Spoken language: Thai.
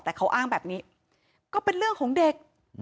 แต่เขาอ้างแบบนี้ก็เป็นเรื่องของเด็ก